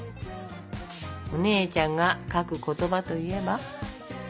お姉ちゃんが書く言葉といえば？